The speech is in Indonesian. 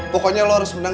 pokoknya lo harus menang